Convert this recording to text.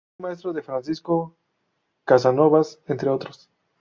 Fue maestro de Francisco Casanovas entre otros.